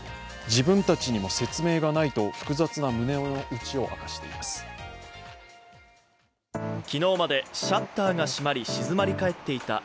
自分たちにも説明がないと複雑な胸の内を明かしています。